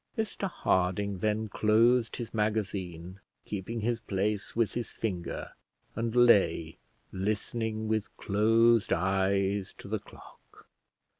Mr Harding then closed his magazine, keeping his place with his finger, and lay, listening with closed eyes to the clock.